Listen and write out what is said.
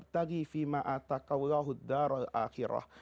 dari semua yang kita cari